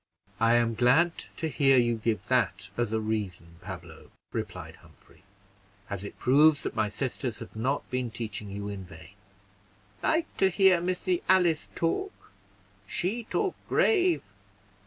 "I am glad to hear you give that as a reason, Pablo," replied Humphrey, "as it proves that my sisters have not been teaching you in vain." "Like to hear Missy Alice talk; she talk grave.